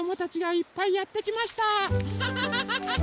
アハハハハハ！